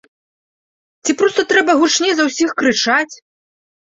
Ці проста трэба гучней за ўсіх крычаць!